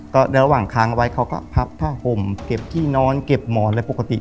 ก็ระหว่างค้างไว้เขาก็พับผ้าห่มเก็บที่นอนเก็บหมอนอะไรปกติ